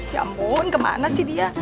ya ampun kemana sih dia